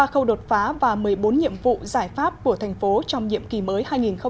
ba khâu đột phá và một mươi bốn nhiệm vụ giải pháp của thành phố trong nhiệm kỳ mới hai nghìn hai mươi hai nghìn hai mươi năm